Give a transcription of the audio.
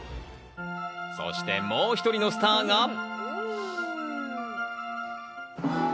そしてもう１人のスターが。